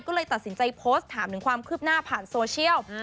ก็เลยตัดสินใจโพสต์ถามถึงความคืบหน้าผ่านโซเชียล